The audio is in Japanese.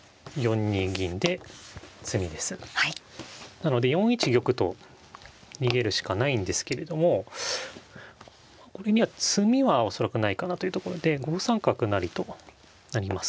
なので４一玉と逃げるしかないんですけれどもこれには詰みは恐らくないかなというところで５三角成となります。